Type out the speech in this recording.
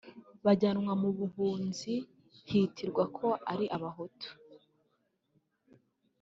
bajyanwa mu buhunzi hitirirwa ko ari abahutu